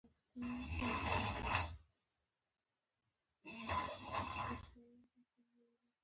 له کندهار دوه لارې چې تېر شولو.